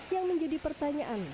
yang menjadi pertanyaan